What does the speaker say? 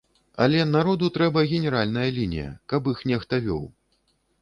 Але народу трэба генеральная лінія, каб іх нехта вёў.